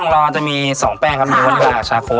แป้งร้อจะมี๒แป้งครับงั้นที่มากกับชาโค